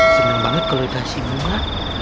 seneng banget kalau dikasih bunga